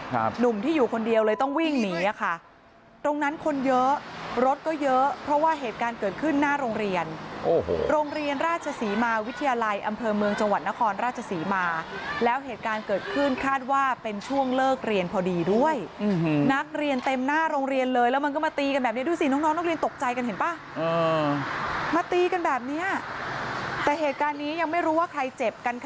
หนุ่มที่อยู่คนเดียวเลยต้องวิ่งหนีอ่ะค่ะตรงนั้นคนเยอะรถก็เยอะเพราะว่าเหตุการณ์เกิดขึ้นหน้าโรงเรียนโรงเรียนราชศรีมาวิทยาลัยอำเภอเมืองจังหวัดนครราชศรีมาแล้วเหตุการณ์เกิดขึ้นคาดว่าเป็นช่วงเลิกเรียนพอดีด้วยนักเรียนเต็มหน้าโรงเรียนเลยแล้วมันก็มาตีกันแบบนี้ดูสิน้อง